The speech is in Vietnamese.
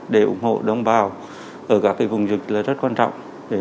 để ủng hộ đồng bào ở các vùng dịch là rất quan trọng